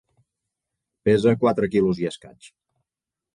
Pesa quatre quilos i escaig.